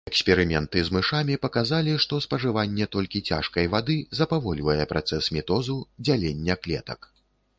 Эксперыменты з мышамі паказалі, што спажыванне толькі цяжкай вады запавольвае працэс мітозу, дзялення клетак.